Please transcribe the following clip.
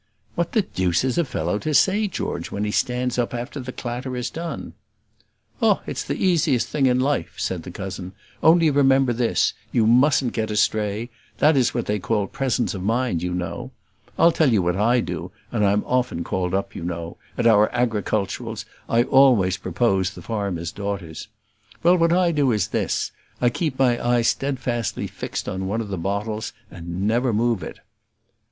"What the deuce is a fellow to say, George, when he stands up after the clatter is done?" "Oh, it's the easiest thing in life," said the cousin. "Only remember this: you mustn't get astray; that is what they call presence of mind, you know. I'll tell you what I do, and I'm often called up, you know; at our agriculturals I always propose the farmers' daughters: well, what I do is this I keep my eye steadfastly fixed on one of the bottles, and never move it."